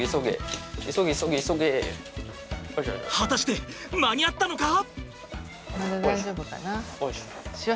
果たして間に合ったのか！？